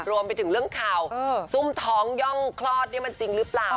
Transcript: รวมไปถึงเรื่องข่าวซุ่มท้องย่องคลอดนี่มันจริงหรือเปล่า